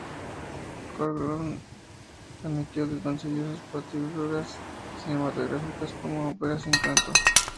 Korngold admitió que concibió sus partituras cinematográficas como "óperas sin canto".